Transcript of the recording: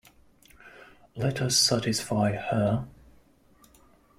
Let us satisfy her.